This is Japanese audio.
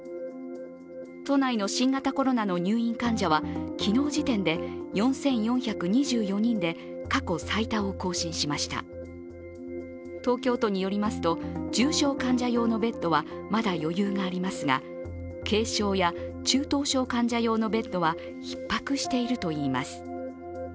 都内の新型コロナの入院患者は昨日時点で４４２４人で、過去最多を更新しました東京都によりますと、重症患者用のベッドはまだ余裕がありますが、軽症や中等症患者用のベッドはひっ迫しているといいます。